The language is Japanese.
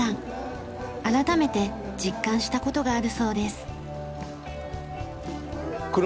改めて実感した事があるそうです。